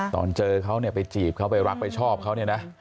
ตอนเจอเขาไปจีบเขาไปรักไปชอบเขา